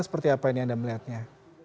seperti apa ini anda melihatnya